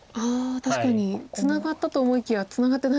確かにツナがったと思いきやツナがってない。